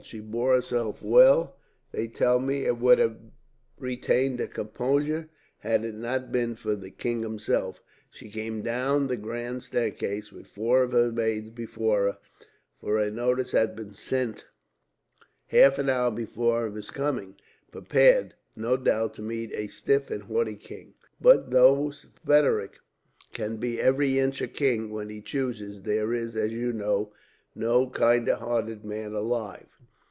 She bore herself well, they tell me, and would have retained her composure, had it not been for the king himself. She came down the grand staircase, with four of her maids behind her for a notice had been sent, half an hour before of his coming prepared, no doubt, to meet a stiff and haughty king; but though Frederick can be every inch a king, when he chooses, there is, as you know, no kinder hearted man alive.